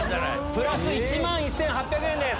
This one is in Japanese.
プラス１万１８００円です。